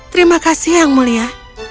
terima kasih yang mulia